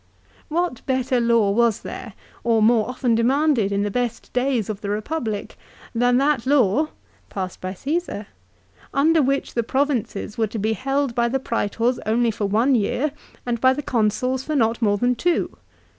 " What better law was there, or more often demanded in the best days of the Republic than that law," passed by Caesar, "under which the provinces were to be held by the Praetors only for one year and by the Consuls for not more than two